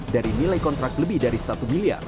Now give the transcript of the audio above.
dari nilai kontrak lebih dari rp satu